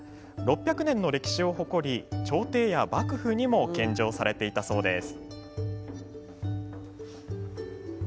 ６００年の歴史を誇り朝廷や幕府にも献上されていたそうです。